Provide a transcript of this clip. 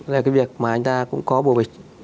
là cái việc mà anh ta cũng có bồ bịch